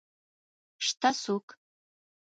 شته څوک؟